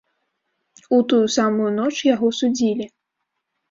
У тую самую ноч яго судзілі.